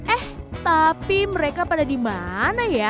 eh tapi mereka pada di mana ya